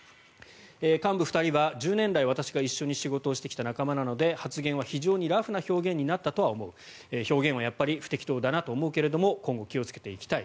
幹部２人は１０年来私が一緒に仕事をしてきた仲間なので発言は非常にラフな表現になったとは思う表現はやっぱり不適当だなと思うけれども今後、気をつけていきたい。